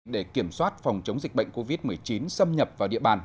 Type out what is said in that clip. để kiểm soát phòng chống dịch bệnh covid một mươi chín xâm nhập vào địa bàn